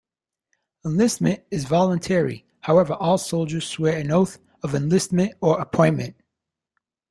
Enlistment is voluntary, however all soldiers swear an oath of enlistment or appointment.